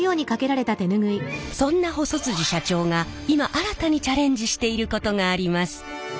そんな細社長が今新たにチャレンジしていることがあります。